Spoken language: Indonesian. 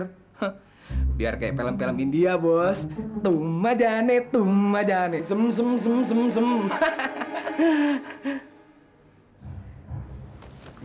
hah biar kayak film film india bos tumma jane tumma jane sem sem sem sem sem hahahaha